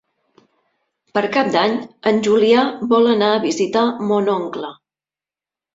Per Cap d'Any en Julià vol anar a visitar mon oncle.